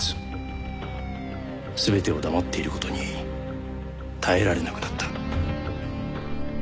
全てを黙っている事に耐えられなくなった。